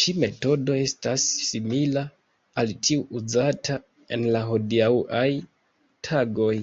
Ĉi-metodo estas simila al tiu uzata en la hodiaŭaj tagoj.